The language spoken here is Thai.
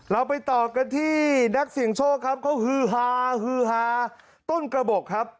เราไปต่อกันที่นักเสี่ยงโชคครับเขาฮือฮาฮือฮาต้นกระบบครับ